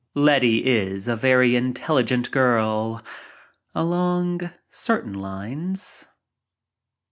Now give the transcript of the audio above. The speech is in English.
Letty is a very intelligent girl — along certain lines.